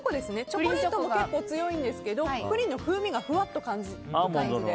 チョコレートも結構強いんですがプリンの風味がふわっと感じられる感じで。